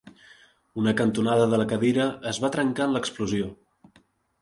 Una cantonada de la cadira es va trencar en l'explosió.